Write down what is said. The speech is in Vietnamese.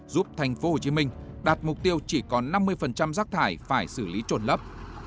giúp tp hcm đạt mục tiêu chỉ có năm mươi rác thải phải xử lý trôn lấp